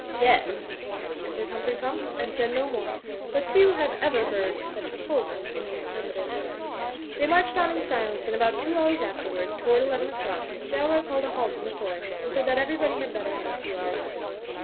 "Yes," answered Humphrey Pump, and said no more; but few have ever heard such fulness in an affirmative. They marched on in silence and about two hours afterward, toward eleven o'clock, Dalroy called a halt in the forest, and said that everybody had better have a few hours' sleep.